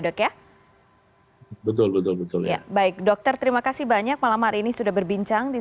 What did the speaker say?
dok ya betul betul betul ya baik dokter terima kasih banyak malam hari ini sudah berbincang di